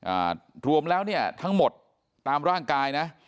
อ่ารวมแล้วเนี่ยทั้งหมดตามร่างกายนะ